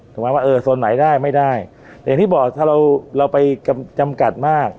ถูกไหมว่าเออโซนไหนได้ไม่ได้อย่างที่บอกถ้าเราเราไปจำกัดมาก